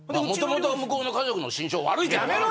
もともと向こうの家族への心象悪いけどな。